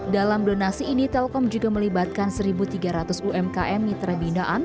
dalam donasi ini telkom juga melibatkan satu tiga ratus umkm mitra binaan